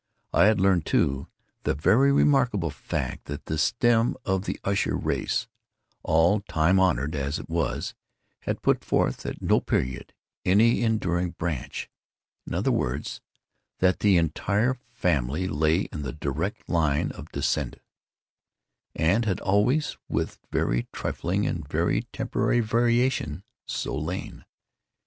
I had learned, too, the very remarkable fact, that the stem of the Usher race, all time honored as it was, had put forth, at no period, any enduring branch; in other words, that the entire family lay in the direct line of descent, and had always, with very trifling and very temporary variation, so lain.